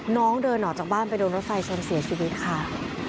น้องเดินออกจากบ้านไปโดนรถไฟชนเสียชีวิตค่ะ